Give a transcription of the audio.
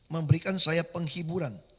memberikan saya penghiburan